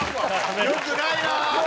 良くないな！